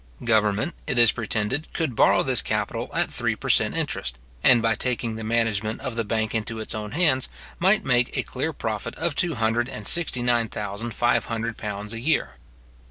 Government, it is pretended, could borrow this capital at three per cent. interest, and, by taking the management of the bank into its own hands, might make a clear profit of two hundred and sixty nine thousand five hundred pounds a year.